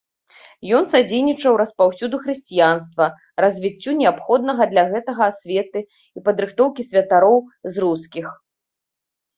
Ён садзейнічаў распаўсюду хрысціянства, развіццю неабходнага для гэтага асветы і падрыхтоўкі святароў з рускіх.